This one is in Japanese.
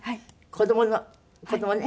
子供の子供ね。